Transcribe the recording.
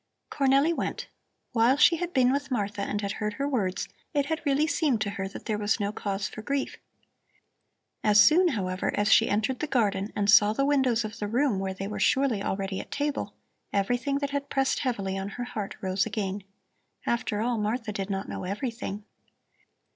Cornelli went. While she had been with Martha and had heard her words, it had really seemed to her that there was no cause for grief. As soon, however, as she entered the garden and saw the windows of the room where they were surely already at table, everything that had pressed heavily on her heart rose again. After all, Martha did not know everything.